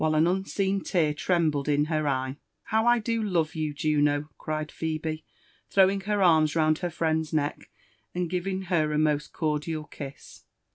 an unseen tear trembled in her eye. "How I do love you, Junol" cried Phebe, throwing her arms round her friend*s neck, and giving her a most cordial kiss.